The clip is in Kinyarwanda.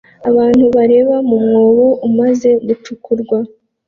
Abantu bareba mu mwobo umaze gucukurwa